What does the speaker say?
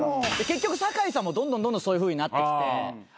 結局酒井さんもどんどんそういうふうになってきて。